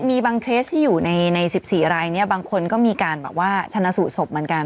มีบางเคสที่อยู่ใน๑๔รายเนี่ยบางคนก็มีการแบบว่าชนะสูตรศพเหมือนกัน